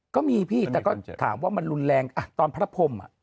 ก็มีพี่แต่ก็ถามว่ามันรุนแรงตอนพระพรม